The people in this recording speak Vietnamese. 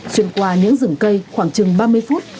xuyên qua những rừng cây khoảng chừng ba mươi phút